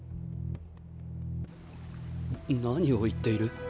何を言っている？